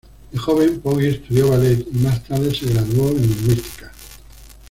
De joven Poggi estudió ballet y más tarde se graduó en lingüística.